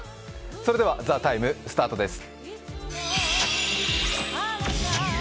それでは「ＴＨＥＴＩＭＥ，」スタートです。